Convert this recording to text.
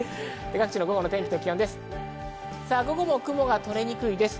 午後の天気と気温です。